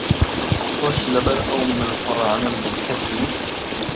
تۆش لەبەر ئەو ملهوڕانە ملکەچی؟